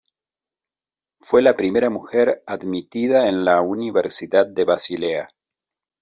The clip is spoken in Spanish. Fue la primera mujer admitida en la Universidad de Basilea.